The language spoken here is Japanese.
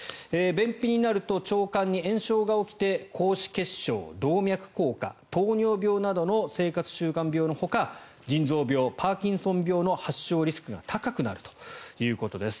便秘になると腸管に炎症が起きて高脂血症、動脈硬化糖尿病などの生活習慣病のほか腎臓病、パーキンソン病の発症リスクが高くなるということです。